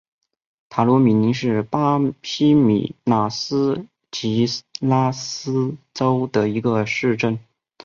塔鲁米林是巴西米纳斯吉拉斯州的一个市镇。